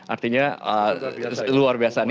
artinya luar biasa